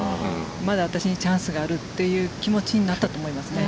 まだ私にチャンスがあるという気持ちになったと思いますね。